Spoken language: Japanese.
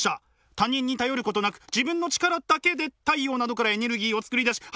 他人に頼ることなく自分の力だけで太陽などからエネルギーを作り出し走ることができます。